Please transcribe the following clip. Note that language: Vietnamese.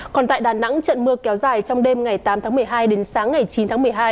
còn tại đà nẵng trận mưa kéo dài trong đêm ngày tám tháng một mươi hai đến sáng ngày chín tháng một mươi hai